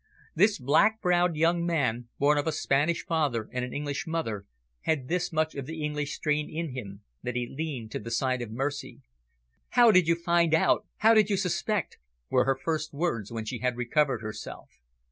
This black browed young man, born of a Spanish father and an English mother, had this much of the English strain in him, that he leaned to the side of mercy. "How did you find out? How did you suspect?" were her first words when she had recovered herself.